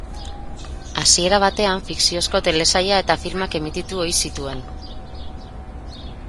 Hasiera batean fikziozko telesaila eta filmak emititu ohi zituen.